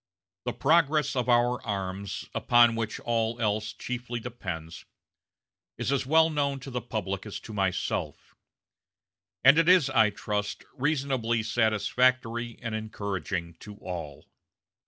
The progress of our arms, upon which all else chiefly depends, is as well known to the public as to myself; and it is, I trust, reasonably satisfactory and encouraging to all.